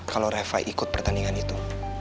kalau reva ikut pertandingan itu